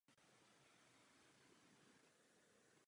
Takže bychom se možná od Tunisanů měli něčemu přiučit.